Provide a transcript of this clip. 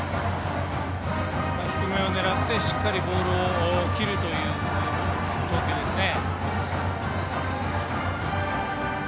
低めを狙ってしっかりボールを切るという投球ですね。